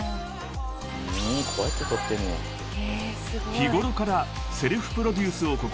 ［日頃からセルフプロデュースを志し